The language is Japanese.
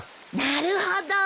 なるほど。